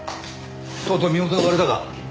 とうとう身元が割れたか？